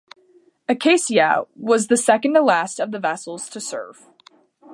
"Acacia" was the second to last of the vessels to serve.